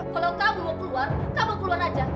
kalau kamu mau keluar kamu keluar aja